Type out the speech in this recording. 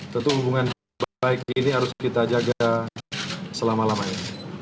tentu hubungan baik ini harus kita jaga selama lamanya